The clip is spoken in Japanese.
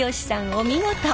お見事！